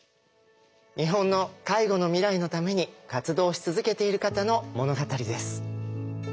日本の介護の未来のために活動し続けている方の物語です。